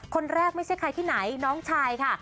คนแรกไม่ใช่ใครที่ไหนน้องชายค่ะ